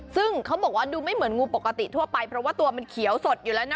ซึ่งเขาบอกว่าดูไม่เหมือนงูปกติทั่วไปเพราะว่าตัวมันเขียวสดอยู่แล้วนะ